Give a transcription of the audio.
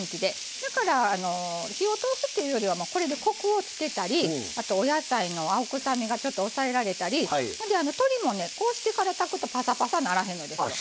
だから、火を通すというよりかはこれでコクをつけたりお野菜の青臭みがちょっと抑えられたり、鶏もこうしてから炊くとパサパサにならへんのよ。